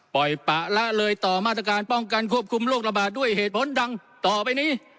ปล่อยปะละเลยต่อมาตรการป้องกันควบคุมโรคระบาดด้วยเหตุผลดังต่อไปนี้